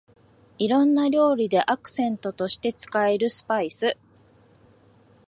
いろんな料理でアクセントとして使えるスパイス